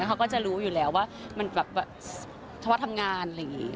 เขาก็จะรู้อยู่แล้วว่ามันถือว่าทำงาน